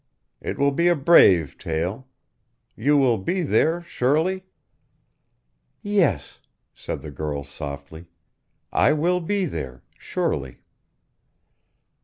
It will be a brave tale! You will be there surely?" "Yes," said the girl, softly; "I will be there surely."